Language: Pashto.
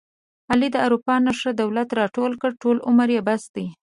علي له اروپا نه ښه دولت راټول کړ، ټول عمر یې بس دی.